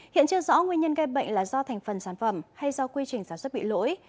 hiện chưa rõ nguyên nhân gây bệnh là do thành phần sản phẩm hay do quy trình sản xuất bị lỗi